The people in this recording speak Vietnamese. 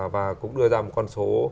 và cũng đưa ra một con số